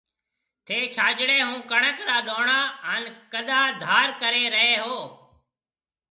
ٿَي ڇاجڙي هون ڪڻڪ را ڏونڻا هان ڪَڏآ ڌار ڪري رئي هو۔